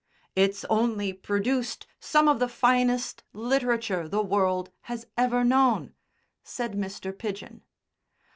"It's only produced some of the finest literature the world has ever known," said Mr. Pidgen.